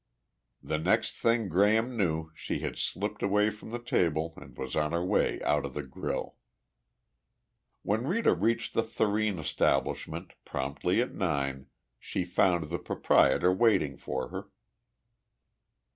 The next thing Graham knew she had slipped away from the table and was on her way out of the grille. When Rita reached the Thurene establishment, promptly at nine, she found the proprietor waiting for her.